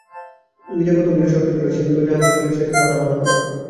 Willey কতকগুলি শর্ত ছিল, সেগুলা যাহাতে চলে সেটার ভার আমার উপরে।